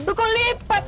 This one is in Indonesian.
dulu kau lipat